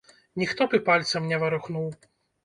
Ніхто б і пальцам не варухнуў?